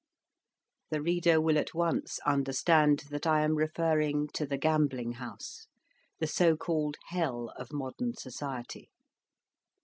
The reader will at once understand that I am referring to the gambling house, the so called "hell" of modern society.